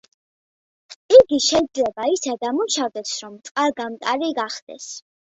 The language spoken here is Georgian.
იგი შეიძლება ისე დამუშავდეს, რომ წყალგამტარი გახდეს.